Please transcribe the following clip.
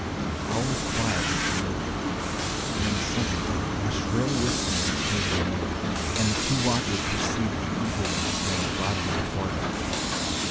All was quiet until midnight, when suddenly a shrill whistling was heard in the air, and the two watchers perceived the Evil One standing bodily before them.